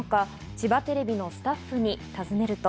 千葉テレビのスタッフに尋ねると。